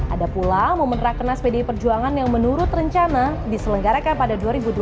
ada pula momen rakenas pdi perjuangan yang menurut rencana diselenggarakan pada dua ribu dua puluh